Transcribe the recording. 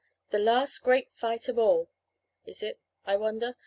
'the last great fight of all!' Is it, I wonder?